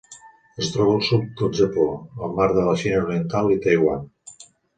Es troba al sud del Japó, el mar de la Xina Oriental i Taiwan.